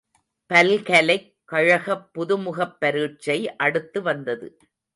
பல்கலைக் கழகப் புதுமுகப் பரீட்சை அடுத்து வந்தது.